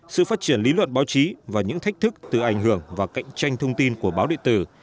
sự phát triển lý luận báo chí và những thách thức từ ảnh hưởng và cạnh tranh thông tin của báo điện tử